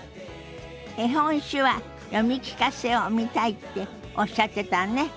「絵本手話読み聞かせ」を見たいっておっしゃってたわね。